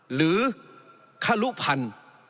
หรือคละลุภัณฑ์